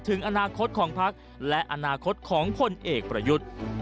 ถึงอนาคตของพักและอนาคตของพลเอกประยุทธ์